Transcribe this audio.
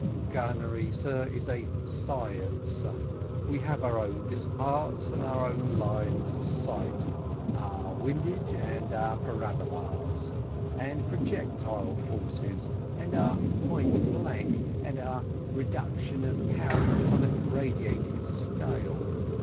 Gunnery, sir, is a science we have our own disparts and our lines of sight our windage and our parabolas and projectile forces and our point blank, and our reduction of powder upon a graduated scale.